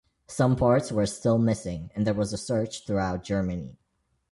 Some parts were still missing and there was a search throughout Germany.